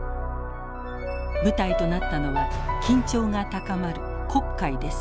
舞台となったのは緊張が高まる黒海です。